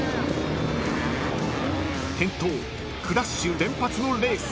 ［転倒クラッシュ連発のレース］